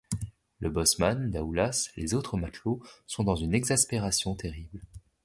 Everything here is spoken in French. Le bosseman, Daoulas, les autres matelots sont dans une exaspération terrible.